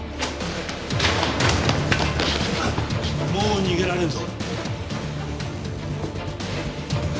もう逃げられんぞ。